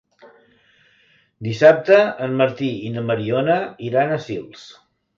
Dissabte en Martí i na Mariona iran a Sils.